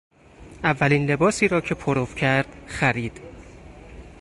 اولین لباسی را که پرو کرد خرید.